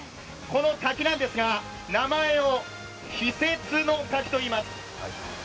この滝なんですが、名前を飛雪の滝といいます。